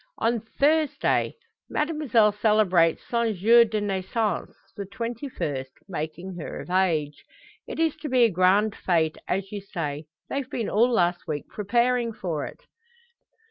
"On Thursday. Mademoiselle celebrates son jour de naissance the twenty first, making her of age. It is to be a grand fete as you say. They've been all last week preparing for it."